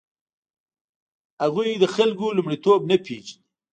هغوی د خلکو لومړیتوب نه پېژني.